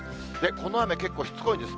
この雨、結構しつこいんです。